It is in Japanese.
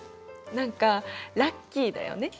何かラッキーだよね。